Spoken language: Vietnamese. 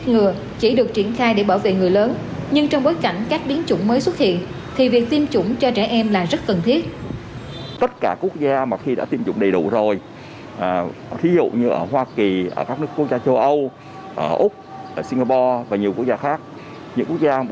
ghi nhận trong bảy ngày qua